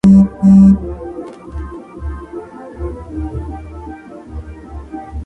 Durante esa noche se corre la Carrera Urbana Internacional Noche de San Antón.